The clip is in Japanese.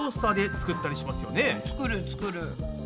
作る作る。